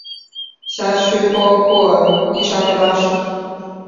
辖区包括伊莎贝拉省。